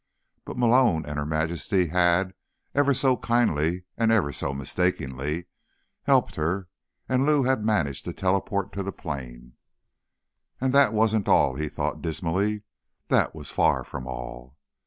But Malone and Her Majesty had, ever so kindly and ever so mistakenly, helped her, and Lou had managed to teleport to the plane. And that wasn't all, he thought dismally. That was far from all.